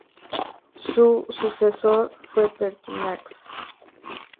Su sucesor fue Pertinax.